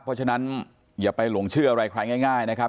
เพราะฉะนั้นอย่าไปหลงเชื่ออะไรใครง่ายนะครับ